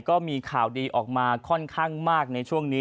ก็มีข่าวดีออกมาค่อนข้างมากในช่วงนี้